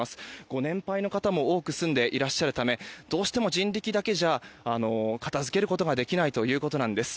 ご年配の方も多く住んでいらっしゃるためどうしても人力だけじゃ片付けることができないということなんです。